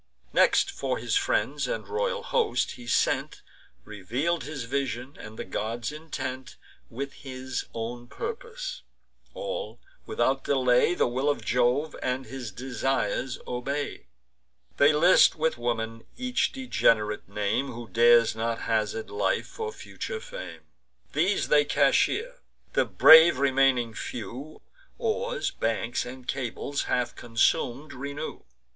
Next, for his friends and royal host he sent, Reveal'd his vision, and the gods' intent, With his own purpose. All, without delay, The will of Jove, and his desires obey. They list with women each degenerate name, Who dares not hazard life for future fame. These they cashier: the brave remaining few, Oars, banks, and cables, half consum'd, renew.